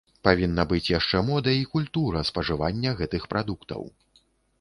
Павінна быць яшчэ мода і культура спажывання гэтых прадуктаў.